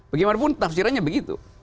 bagaimanapun tafsirannya begitu